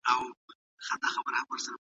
ایا په فضا کې د وخت تېرېدل بدلیږي؟